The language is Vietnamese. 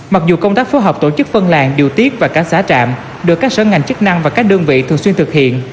mặc dù công tác phối hợp tổ chức phân làng điều tiết và cả xã trạm được các sở ngành chức năng và các đơn vị thường xuyên thực hiện